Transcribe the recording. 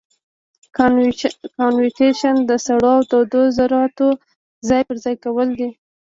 کانویکشن د سړو او تودو ذرتو ځای پر ځای کول دي.